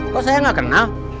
kok saya nggak kenal